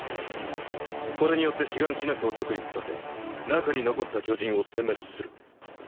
これによってシガンシナ区を独立させ中に残った巨人を殲滅する。